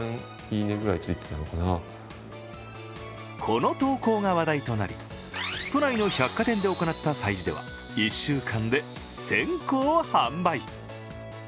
この投稿が話題となり都内の百貨店で行った催事では１週間で１０００個を販売。